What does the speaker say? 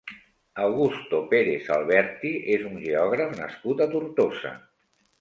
Augusto Pérez Alberti és un geògraf nascut a Tortosa.